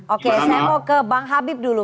oke saya mau ke bang habib dulu